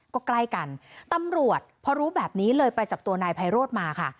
ก็ใกล้กันตำรวจพอรู้แบบนี้เลยไปจับตัวนายไพโรธมาค่ะ